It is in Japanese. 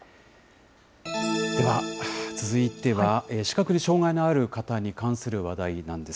では、続いては視覚に障害のある方に関する話題なんです。